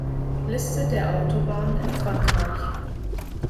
Liste der Autobahnen in Frankreich